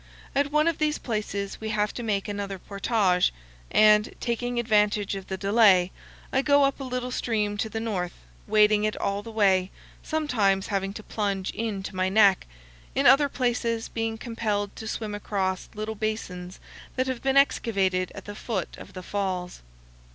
At one of these places we have to make another portage, and, taking advantage of the delay, I go up a little stream to the north, wading it all the way, sometimes having to plunge in to my neck, in other places being compelled to swim across little basins that have been excavated at the foot of the falls.